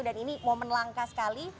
dan ini momen langka sekali